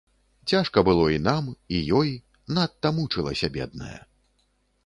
Цяжка было і нам, і ёй, надта мучылася бедная.